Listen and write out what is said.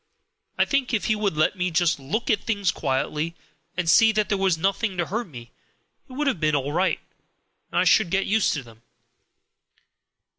I think if he would have let me just look at things quietly, and see that there was nothing to hurt me, it would have been all right, and I should have got used to them.